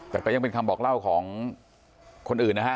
แต่ก็ยังเป็นคำบอกเล่าของคนอื่นนะฮะ